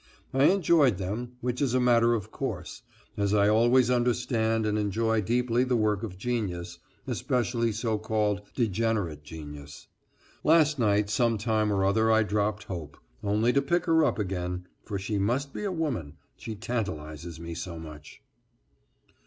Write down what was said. I enjoyed them, which is a matter of course, as I always understand and enjoy deeply the work of genius, especially so called degenerate genius. Last night some time or other I dropped hope, only to pick her up again, for she must be a woman she tantalizes me so much.